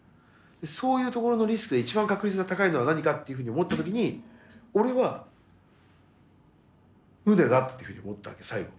そういうところのリスクで一番確率が高いのは何かというふうに思った時に俺はムネだっていうふうに思ったわけ最後。